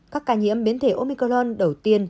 các ca nhiễm biến thể omicron đầu tiên